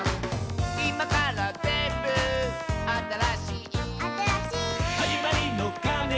「いまからぜんぶあたらしい」「あたらしい」「はじまりのかねが」